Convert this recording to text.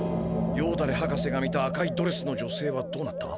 ヨーダレ博士が見た赤いドレスのじょせいはどうなった？